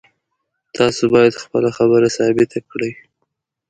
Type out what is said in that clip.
تاسو باید خپله خبره ثابته کړئ